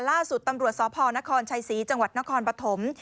ล่าสุดตำรวจสพนครชัยศรีจังหวัดนครปฐม